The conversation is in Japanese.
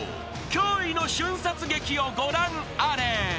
驚異の瞬殺劇をご覧あれ］